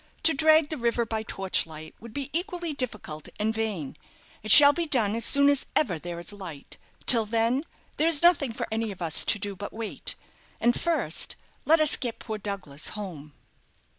To drag the river by torchlight would be equally difficult and vain. It shall be done as soon as ever there is light. Till then, there is nothing for any of us to do but to wait. And first, let us get poor Douglas home."